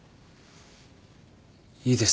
いいです。